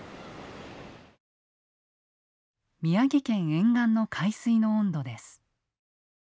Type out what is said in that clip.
宮城県沿岸の海水の温度です。